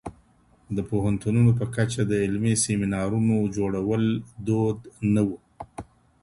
د پوهنتونونو په کچه د علمي سیمینارونو جوړول دود نه وو.